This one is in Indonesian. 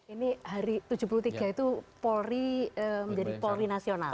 ini hari tujuh puluh tiga itu polri menjadi polri nasional